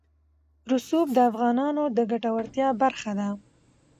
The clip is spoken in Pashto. رسوب د افغانانو د ګټورتیا برخه ده.